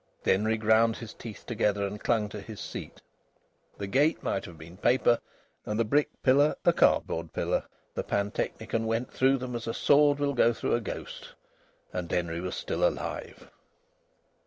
Denry ground his teeth together and clung to his seat. The gate might have been paper, and the brick pillar a cardboard pillar. The pantechnicon went through them as a sword will go through a ghost, and Denry was still alive.